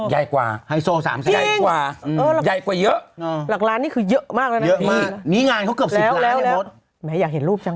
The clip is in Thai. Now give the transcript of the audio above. ไฮโซ๓๐๐๐บาทใหญ่กว่าใหญ่กว่าเยอะหลักร้านนี้คือเยอะมากแล้วนะครับนี่งานเขาเกือบ๑๐ล้านแม้อยากเห็นรูปจัง